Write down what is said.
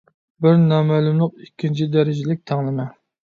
بىر نامەلۇملۇق ئىككىنچى دەرىجىلىك تەڭلىمە